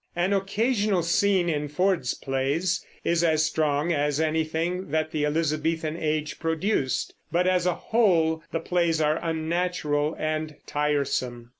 An occasional scene in Ford's plays is as strong as anything that the Elizabethan Age produced; but as a whole the plays are unnatural and tiresome.